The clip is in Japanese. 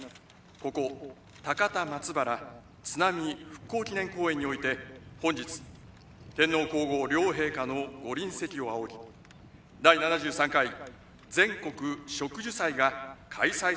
ここ高田松原津波復興祈念公園において本日天皇皇后両陛下のご臨席を仰ぎ第７３回全国植樹祭が開催されましたことを心からお祝い申し上げます。